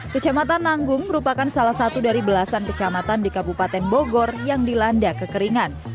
kecamatan nanggung merupakan salah satu dari belasan kecamatan di kabupaten bogor yang dilanda kekeringan